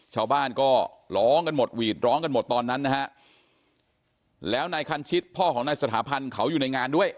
ชาวบ้านก็ร้องกันหมดหวีดร้องกันหมดตอนนั้นนะฮะแล้วนายคันชิตพ่อของนายสถาพันธ์เขาอยู่ในงานด้วย